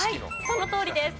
そのとおりです。